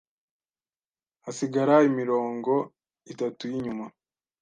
hasigara imirongo itatu y’inyuma